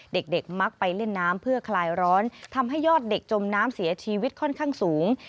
เด็กมักไปเล่นน้ำเพื่อคลายร้อนทำให้ยอดเด็กจมน้ำเสียชีวิตค่อนข้างสูง